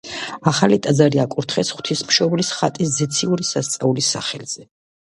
ახალი ტაძარი აკურთხეს ღვთისმშობლის ხატის ზეციური სასწაულის სახელზე.